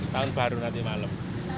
tahun baru nanti malam